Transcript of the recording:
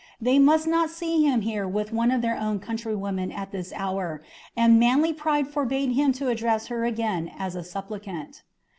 They must not see him here with one of their countrywomen at this hour, and manly pride forbade him to address her again as a supplicant.